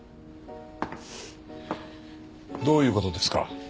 どういう事ですか？